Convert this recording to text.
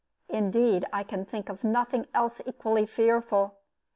Indeed, I can think of nothing else equally fearful.